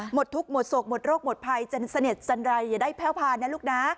หมดทุกข์หมดโศกหมดโรคหมดภัยจะเสด็จสันไรอย่าได้แพ่วผ่านนะลูกนะ